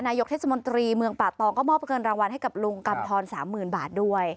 เทศมนตรีเมืองป่าตองก็มอบเงินรางวัลให้กับลุงกำทร๓๐๐๐บาทด้วย